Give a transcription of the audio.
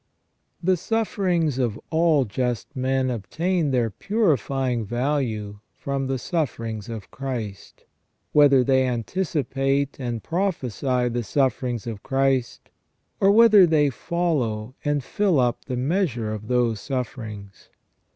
The sufferings of all just men obtain their purifying value from the sufferings of Christ, whether they anticipate and prophesy the sufferings of Christ, or whether they follow and fill up the measure of those sufferings.